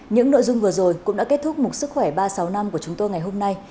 những nội dung vừa rồi cũng đã kết thúc một sức khỏe ba trăm sáu mươi năm của chúng tôi ngày hôm nay